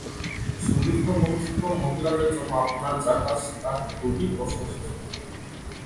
সুবিধাবঞ্চিত মহিলাদের জন্য আপনার যা কাজ তা খুব প্রশংশাজনক।